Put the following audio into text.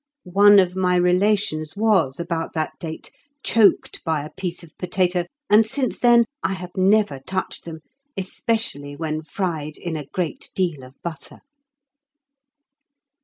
One of my relations was, about that date, choked by a piece of potato, and since then I have never touched them, especially when fried in a great deal of butter.